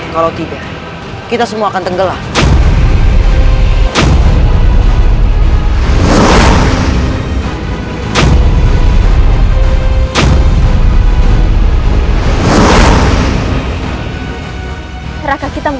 kalau tidak kita semua akan tenggelam